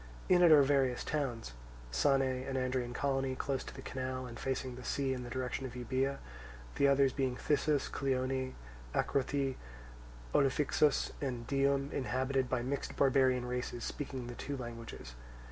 In it are various towns, Sane, an Andrian colony, close to the canal, and facing the sea in the direction of Euboea; the others being Thyssus, Cleone, Acrothoi, Olophyxus, and Dium, inhabited by mixed barbarian races speaking the two languages.